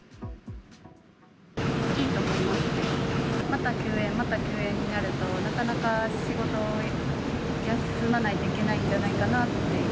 また休園、また休園になると、なかなか、仕事休まないといけないんじゃないかなという。